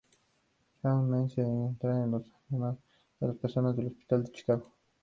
Chicago Med se centra en los dramas del personal de un hospital de Chicago.